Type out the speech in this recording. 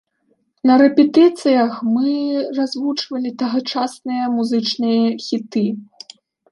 На рэпетыцыях мы развучвалі тагачасныя музычныя хіты.